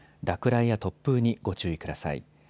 落雷や突風にご注意ください。